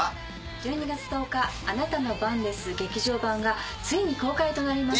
１２月１０日『あなたの番です劇場版』がついに公開となります。